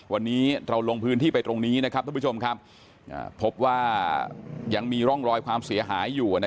วันนี้เราลงพื้นที่ไปตรงนี้พบว่ายังมีร่องรอยความเสียหายอยู่